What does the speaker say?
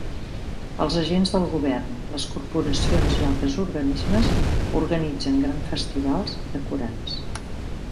Els agents del govern, les corporacions i altres organismes organitzen gran festivals decorats.